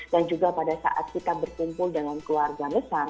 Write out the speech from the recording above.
dan juga pada saat kita berkumpul dengan keluarga besar